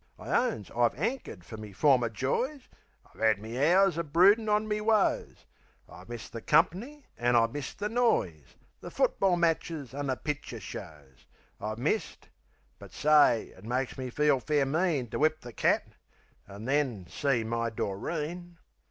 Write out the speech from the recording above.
I owns I've 'ankered fer me former joys; I've 'ad me hours o' broodin' on me woes; I've missed the comp'ny, an' I've missed the noise, The football matches an' the picter shows. I've missed but, say, it makes me feel fair mean To whip the cat; an' then see my Doreen.